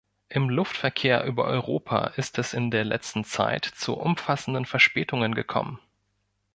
Im Luftverkehr über Europa ist es in der letzten Zeit zu umfassenden Verspätungen gekommen.